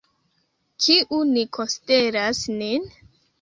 Kiu ni konsideras nin?